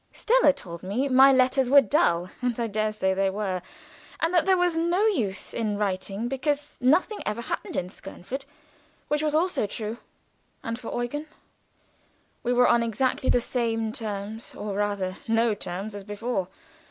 Stella told me my letters were dull and I dare say they were and that there was no use in her writing, because nothing ever happened in Skernford, which was also true. And for Eugen, we were on exactly the same terms or rather no terms as before.